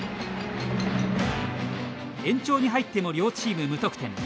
延長に入っても両チーム無得点。